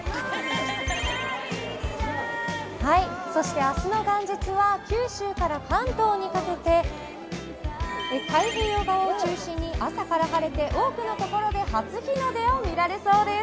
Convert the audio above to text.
そして、明日の元日は九州から関東にかけて太平洋側を中心に朝から晴れて多くの所で初日の出を見られそうです。